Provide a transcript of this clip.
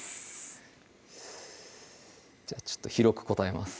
じゃあちょっと広く答えます